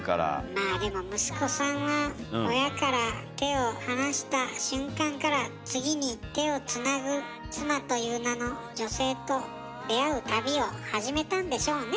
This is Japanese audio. まあでも息子さんは親から手を離した瞬間から次に手をつなぐ妻という名の女性と出会う旅を始めたんでしょうね。